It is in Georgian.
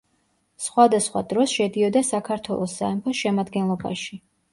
სხვა და სხვა დროს შედიოდა საქართველოს სამეფოს შემადგენლობაში.